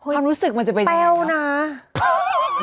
ความรู้สึกมันจะเป็นยังไงครับ